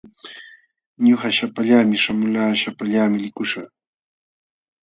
Ñuqa shapallaami shamulqaa, shapallaami likuśhaq.